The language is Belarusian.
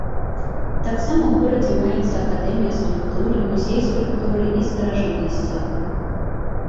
Таксама ў горадзе маецца акадэмія скульптуры, музей скульптуры і старажытнасцяў.